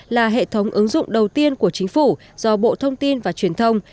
là hệ thống ứng dụng đầu tiên của chính phủ do bộ thông tin và truyền thông